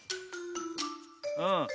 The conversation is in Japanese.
うん。